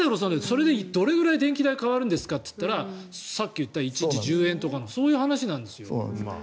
それでどれぐらい電気代が変わるのかっていったらさっき言った１日１０円とかそういう話なんですよ。